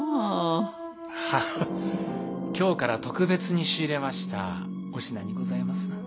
京から特別に仕入れましたお品にございます。